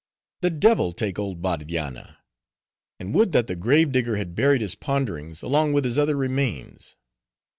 "The devil take old Bardianna. And would that the grave digger had buried his Ponderings, along with his other remains.